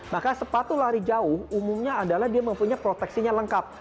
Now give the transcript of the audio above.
maka sepatu lari jauh umumnya adalah dia mempunyai proteksinya lengkap